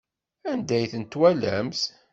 Anda ay ten-twalamt?